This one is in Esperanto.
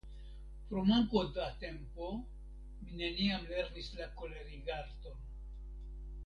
Pro manko da tempo mi neniam lernis la kolerigarton.